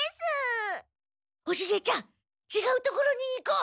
おシゲちゃんちがう所に行こう！